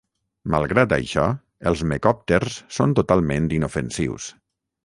Malgrat això, els mecòpters són totalment inofensius.